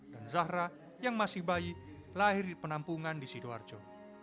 dan zahra yang masih bayi lahir di penampungan di sidoarjo